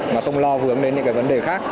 mà không lo vướng đến những cái vấn đề khác